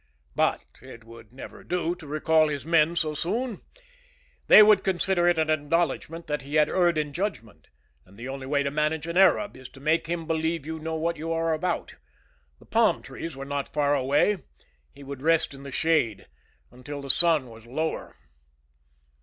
But it would never do to recall his men so soon. They would consider it an acknowledgment that he had erred in judgment, and the only way to manage an Arab is to make him believe you know what you are about. The palm trees were not far away. He would rest in their shade until the sun was lower.